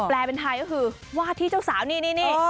เป็นไทยก็คือวาดที่เจ้าสาวนี่